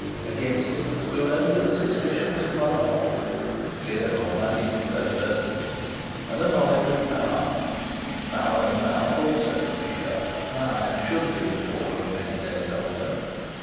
Against it stood only the suspicions of Mother Holf fear or money would close her lips and the knowledge of Bauer; Bauer's mouth also could be shut, ay, and should be before we were many days older.